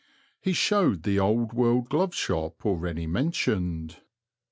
He showed the old world glove shop already mentioned.